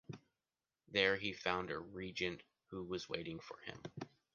There he found the regent who was waiting for him.